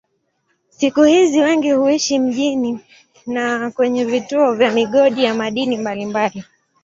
Siku hizi wengi huishi mjini na kwenye vituo vya migodi ya madini mbalimbali.